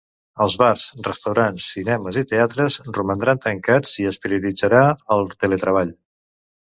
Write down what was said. Els bars, restaurants, cinemes i teatres romandran tancats i es prioritzarà el teletreball.